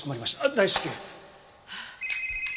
大至急。